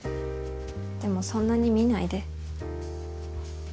でもそんなに見ないで。